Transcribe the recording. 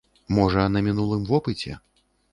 Можа, на мінулым вопыце?